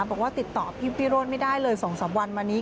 บอกว่าติดต่อพี่วิโรธไม่ได้เลย๒๓วันมานี้